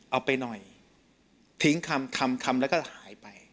เอาไปหน่อยทิ้งคำคำแล้วก็หายไป